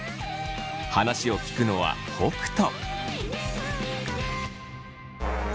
話を聞くのは北斗。